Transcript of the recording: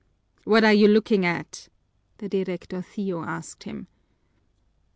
"What are you looking at?" the directorcillo asked him.